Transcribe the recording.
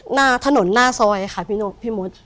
หน้าถนนหน้าซอยค่ะพี่มด